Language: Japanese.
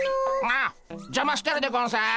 ああじゃましてるでゴンス。